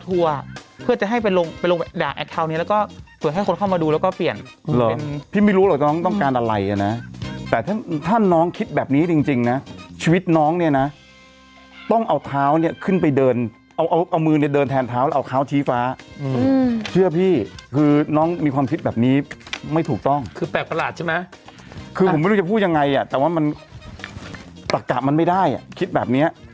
เขาบอกเซ็ตนี้ของช่องสามนี้เป็นอะไรแบบใหม่ของช่องสามจริงอ่ะ